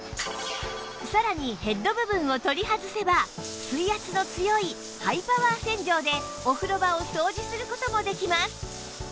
さらにヘッド部分を取り外せば水圧の強いハイパワー洗浄でお風呂場を掃除する事もできます